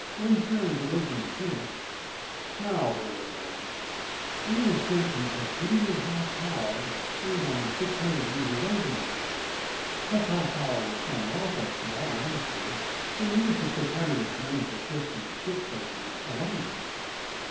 "Unfair and illegally sent." "How illegal?" "They were sent with exceedingly high power and on 600 meter wave lengths. Such high power is unlawful for all amateurs and the use of 600 is granted to ships and ship stations alone.